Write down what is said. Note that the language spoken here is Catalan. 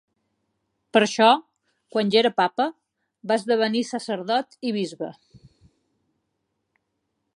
Per això, quan ja era Papa va esdevenir sacerdot i bisbe.